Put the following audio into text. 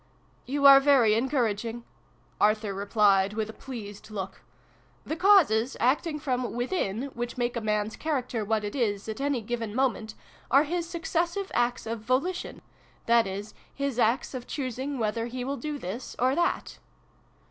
'" You are very encouraging," Arthur replied, with a pleased look. " The causes, acting from within, which make a man's character what it is at any given moment, are his successive acts of volition that is, his acts of choosing whether he will do this or that."